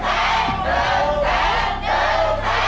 หนึ่งแสนหนึ่งแสนหนึ่งแสน